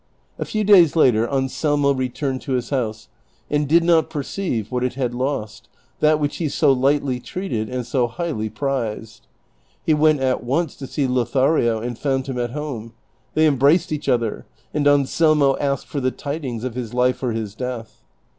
A few days later Anselmo retui'ned to his house and did not per ceive what it had lost, that which he so lightly treated anil so highly prized. lie went at once to see Lothario, and found him at liome ; they embraced each other, and Anselmo asked for the tidings of his life or his death.